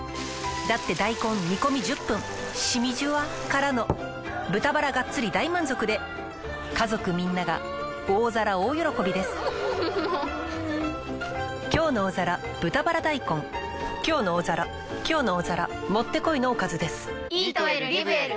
だって大根煮込み１０分しみじゅわからの豚バラがっつり大満足で家族みんなが大皿大喜びです「きょうの大皿」「きょうの大皿」もってこいのおかずです。